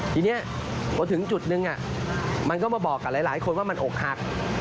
ทีนี้พอถึงจุดนึงมันก็มาบอกกับหลายคนว่ามันอกหัก